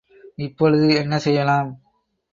இப்பொழுது என்ன செய்யலாம்?